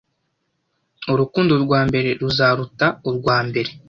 Urukundo rwambere ruzaruta urwambere